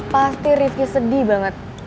pasti rifki sedih banget